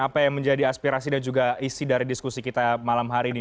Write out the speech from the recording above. apa yang menjadi aspirasi dan juga isi dari diskusi kita malam hari ini